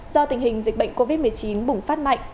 do tình hình dịch bệnh covid một mươi chín bùng phát mạnh